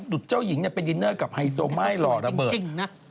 ดูดเจ้าหญิงไปดินเนอร์กับไฮโซไหม้หล่อระเบิด